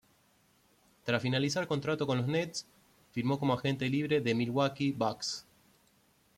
Tras finalizar contrato con los Nets, firmó como agente libre con Milwaukee Bucks.